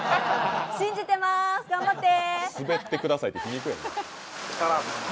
信じてます、頑張って。